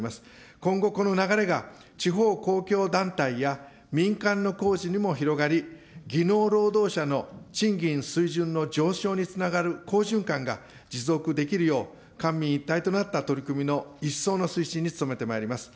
今後、この流れが地方公共団体や民間の工事にも広がり、技能労働者の賃金水準の上昇につながる好循環が持続できるよう、官民一体となった取り組みの一層の推進に努めてまいります。